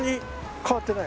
変わってない。